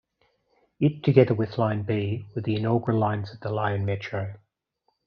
It, together with Line B, were the inaugural lines of the Lyon Metro.